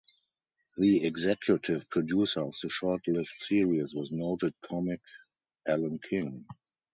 The executive producer of the short-lived series was noted comic Alan King.